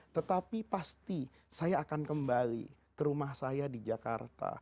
tetapi pasti saya akan kembali ke rumah saya di jakarta